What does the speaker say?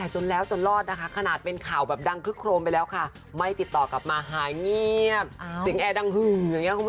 เสียงแอดั่งครับพวกมันคุณผู้ชม